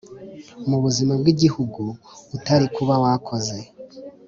mu buzima bw’igihugu utarikuba wakoze"